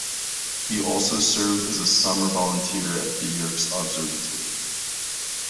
He also served as a summer volunteer at the Yerkes Observatory.